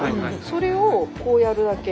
それをこうやるだけ。